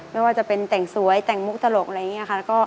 มั่วว่าจะเป็นแต่งสวยแต่งมุกตลกไรงี้นะคะ